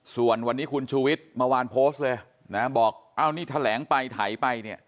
ส่วนวันนี้คุณชูวิทย์เมื่อวานโพสต์เลยนะบอกอ้าวนี่แถลงไปถ่ายไปเนี่ย